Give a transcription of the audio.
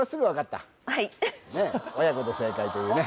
親子で正解というね